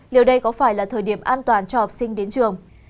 liệu đây có phải là thời điểm an toàn cho học sinh đến trường